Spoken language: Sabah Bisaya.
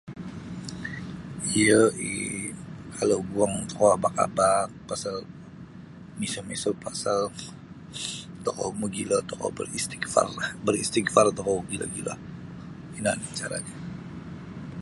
Iyo um kalau guang tokou abak-abak pasal miso-miso pasal tokou mogilo tokou baristigfarlah baristigfar tokou gilo-gilo ino oni' caranyo.